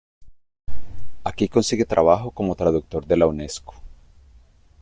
Aquí consigue trabajo como traductor de la Unesco.